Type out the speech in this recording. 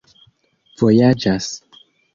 vojaĝas